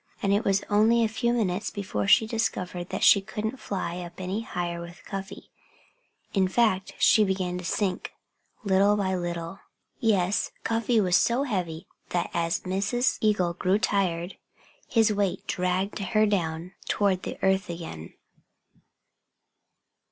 And it was only a few minutes before she discovered that she couldn't fly up any higher with Cuffy. In fact, she began to sink, little by little. Yes, Cuffy was so heavy that as Mrs. Eagle grew tired his weight dragged her down toward the earth again.